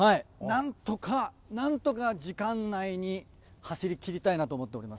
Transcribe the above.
なんとか、なんとか時間内に走りきりたいなと思っております。